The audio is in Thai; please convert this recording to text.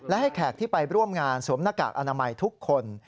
และให้แขกที่ไปร่วมงานสวมหน้ากากอนามัยทุกคน